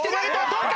どうか？